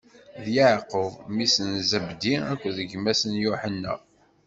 D Yeɛqub, mmi-s n Zabdi akked gma-s Yuḥenna.